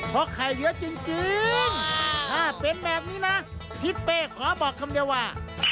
เพราะไข่เหลือจริงถ้าเป็นแบบนี้นะทิศเป้ขอบอกคำเดียวว่า